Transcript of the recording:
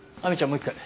もう１回。